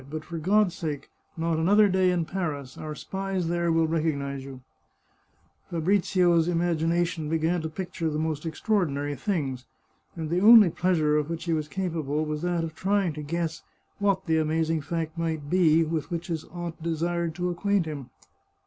But for God's sake, not another day in Paris; our spies there will recognise you !" Fabrizio's imagination began to picture the most ex traordinary things, and the only pleasure of which he was capable was that of trying to guess what the amazing fact might be, with which his aunt desired to acquaint him.